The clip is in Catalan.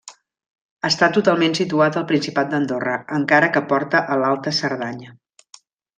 Està totalment situat al Principat d'Andorra, encara que porta a l'Alta Cerdanya.